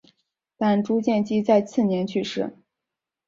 但朱见济在次年去世。